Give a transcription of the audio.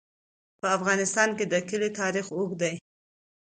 په افغانستان کې د کلي تاریخ اوږد دی.